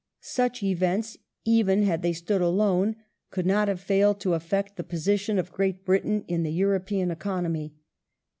Such events, even had they stood alone, could not have failed to affect the posi tion of Great Britain in the P^uropean economy.